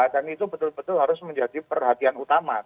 dan itu betul betul harus menjadi perhatian utama